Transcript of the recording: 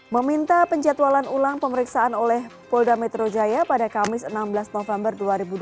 meminta penjatualan ulang pemeriksaan oleh polda metro jaya pada kamis enam belas november dua ribu dua puluh